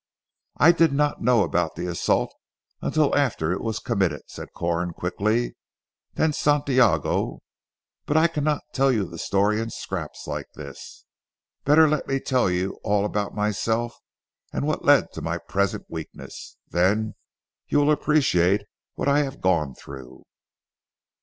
"I did not know about the assault until after it was committed," said Corn quickly, "then Santiago but I cannot tell you the story in scraps like this. Better let me tell you all about myself, and what led to my present weakness. Then you will appreciate what I have gone through."